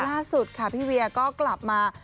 ล่าสุดค่ะพี่เวียก็กลับมา